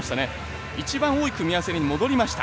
一番多い組み合わせに戻りました。